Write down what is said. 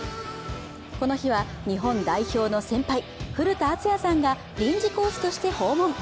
この日は日本代表の先輩古田敦也さんが臨時講師として訪問。